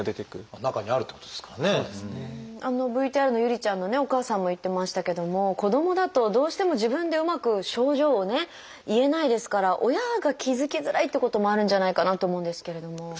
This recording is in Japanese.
あのＶＴＲの侑里ちゃんのねお母さんも言ってましたけども子どもだとどうしても自分でうまく症状をね言えないですから親が気付きづらいってこともあるんじゃないかなと思うんですけれども。